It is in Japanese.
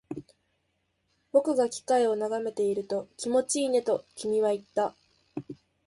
僕が機械を眺めていると、気持ちいいねと君は言った